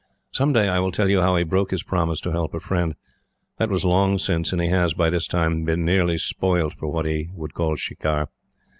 Some day, I will tell you how he broke his promise to help a friend. That was long since, and he has, by this time, been nearly spoilt for what he would call shikar.